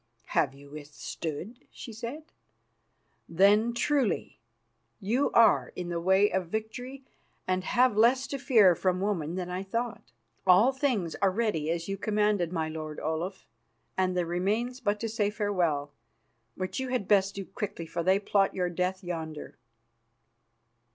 "Have you withstood?" she said. "Then, truly, you are in the way of victory and have less to fear from woman than I thought. All things are ready as you commanded, my lord Olaf, and there remains but to say farewell, which you had best do quickly, for they plot your death yonder."